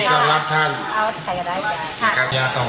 เป็นต่อจากเชี่ยวกลับไป